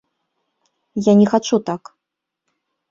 Я не хачу так!